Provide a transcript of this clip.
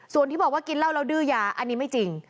ส่วนที่บอกว่ากินเหล้าแล้วดื้อยาอันนี้ไม่จริง